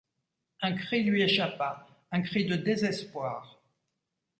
Un cri lui échappa... un cri de désespoir.